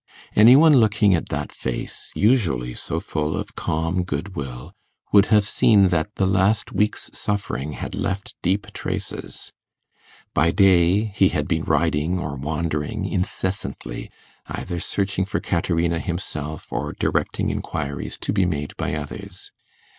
Any one looking at that face, usually so full of calm goodwill, would have seen that the last week's suffering had left deep traces. By day he had been riding or wandering incessantly, either searching for Caterina himself, or directing inquiries to be made by others.